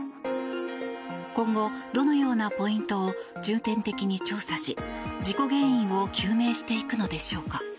今後、どのようなポイントを重点的に調査し事故原因を究明していくのでしょうか。